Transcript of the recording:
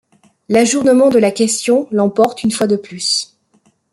L'ajournement de la question l'emporte une fois de plus.